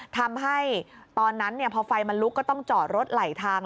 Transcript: ทำให้ตอนนั้นพอไฟมันลุกก็ต้องจอดรถไหลทาง